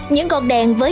những con đèn vơi